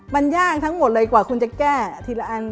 มันยากทั้งหมดเลยกว่าคุณจะแก้ทีละอัน